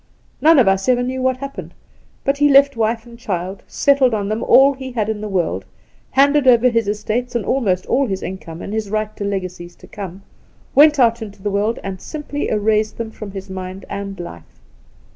None of us ever knew what happened ; but he left wife and child, settled on them all he had in the world, handed over his estates and almost all his income, and his right to legacies to come, went out into the world, and simply erased them from his mind and life.